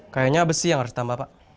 kayaknya besi yang harus ditambah pak